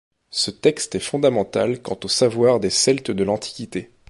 Ce texte est fondamental quant au savoir des Celtes de l’Antiquité.